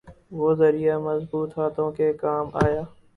وہ ذریعہ مضبوط ہاتھوں کے کام آیا۔